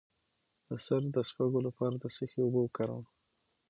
د سر د سپږو لپاره د څه شي اوبه وکاروم؟